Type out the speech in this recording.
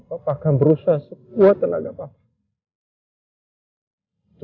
papa akan berusaha sebuah tenaga pak